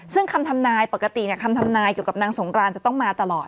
ซึ่งคำทำนายปกติคำทำนายเกี่ยวกับนางสงกรานจะต้องมาตลอด